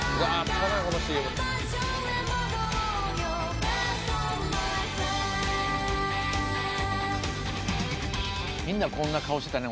これやこのＣＭみんなこんな顔してたね